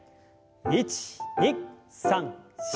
１２３４。